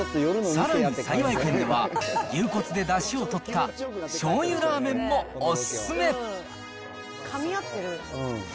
さらに幸軒では、牛骨でだしをとったしょうゆラーメンもお勧め。